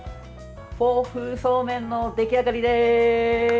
フォー風そうめんの出来上がりです。